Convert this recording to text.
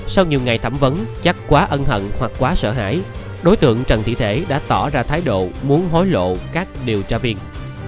sau nhiều ngày thẩm vấn chắc quá ân hận hoặc quá sợ hãi đối tượng trần thị thể đã tỏ ra thái độ muốn hối lộ các điều tra viên